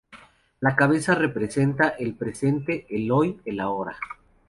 La cabeza representa el presente, el hoy, el ahora.